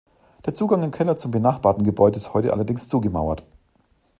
Der Zugang im Keller zum benachbarten Gebäude ist heute allerdings zugemauert.